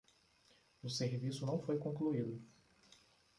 O serviço não foi concluído